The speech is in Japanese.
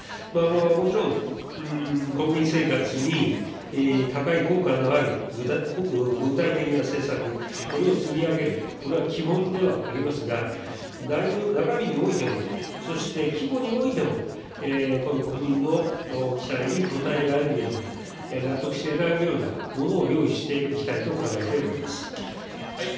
もちろん、国民生活に高い効果のある具体的な政策、これを積み上げる、これは基本ではありますが、中身においても、そして規模においても、この国民の期待に応えられるような、納得していただけるようなものを用意していきたいと考えております。